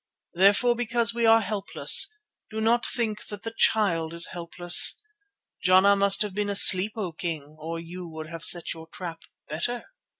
Therefore because we are helpless, do not think that the Child is helpless. Jana must have been asleep, O King, or you would have set your trap better."